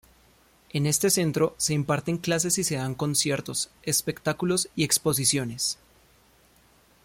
En este centro se imparten clases y se dan conciertos, espectáculos y exposiciones.